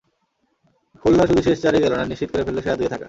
খুলনা শুধু শেষ চারেই গেল না, নিশ্চিত করে ফেলল সেরা দুইয়ে থাকা।